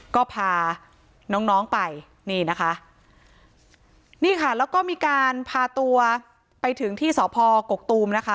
ก็พาน้องไปแล้วก็มีการพาตัวไปถึงที่สอพอกกตูม